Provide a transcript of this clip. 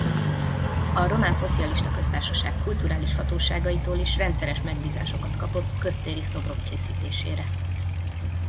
A Román Szocialista Köztársaság kulturális hatóságaitól is rendszeres megbízásokat kapott köztéri szobrok készítésére.